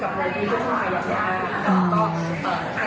ใครที่ยังไม่มีบริษัทปีใหม่และอยากทำบุญร่วมกับพวกเรา